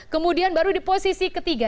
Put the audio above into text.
kemudian baru di posisi ketiga